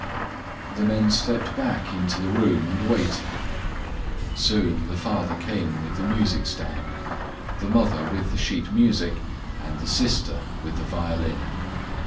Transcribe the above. The men stepped back into the room and waited. Soon the father came with the music stand, the mother with the sheet music, and the sister with the violin.